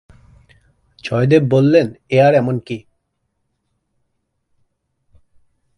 জয়দেব বললেন এ আর এমন কী!